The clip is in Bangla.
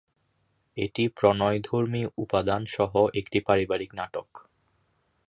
এটি প্রণয়ধর্মী উপাদান সহ একটি পারিবারিক নাটক।